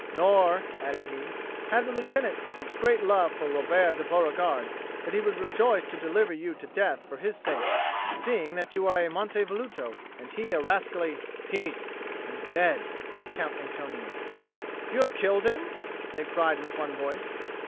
"Nor," added he, "had the lieutenant such great love for Robert de Beauregard that he would rejoice to deliver you to death for his sake, seeing that you are a Monte Velluto and he a rascally " "Peace! He is dead," said Count Antonio. "You have killed him?" they cried with one voice.